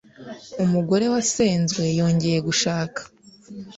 umugore wasenzwe yongeye gushaka